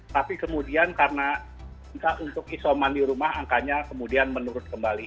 tapi kemudian karena untuk isol mandi rumah angkanya kemudian menurut kembali